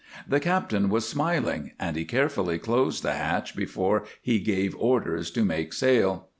The captain was smiling, and he carefully closed the hatch before he gave orders to make sail.